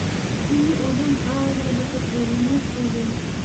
ځینې علوم عام وي لکه ټولنیز علوم.